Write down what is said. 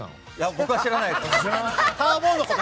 僕は知らないです。